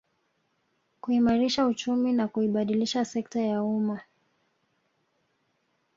Kuimarisha uchumi na kuibadilisha sekta ya umma